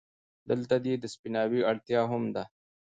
دلته د دې سپيناوي اړتيا هم ده،